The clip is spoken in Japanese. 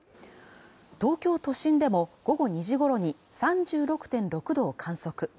東京都心でも午後２時ごろに３６．６度を観測。